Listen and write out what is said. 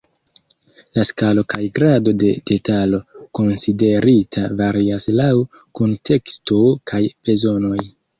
La skalo kaj grado de detalo konsiderita varias laŭ kunteksto kaj bezonoj.